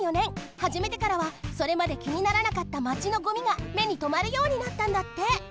はじめてからはそれまできにならなかったマチのごみがめにとまるようになったんだって。